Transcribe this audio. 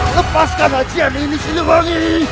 lepaskan ajihan ini sirewangi